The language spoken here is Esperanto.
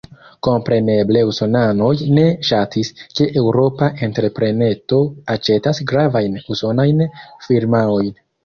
Kompreneble usonanoj ne ŝatis, ke eŭropa entrepreneto aĉetas gravajn usonajn firmaojn.